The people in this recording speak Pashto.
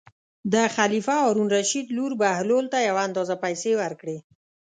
د خلیفه هارون الرشید لور بهلول ته یو اندازه پېسې ورکړې.